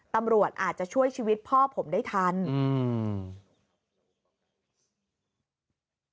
ตำรวจอาจจะช่วยชีวิตพ่อผมได้ทันอืม